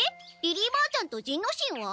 リリーばあちゃんと仁之進は？